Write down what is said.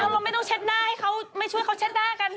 เราไม่ต้องเช็ดหน้าให้เขาไม่ช่วยเขาเช็ดหน้ากัน